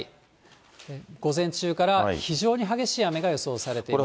午前中から非常に激しい雨が予想されています。